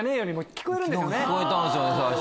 聞こえたんですよね最初。